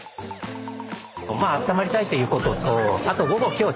まああったまりたいということとあと午後今日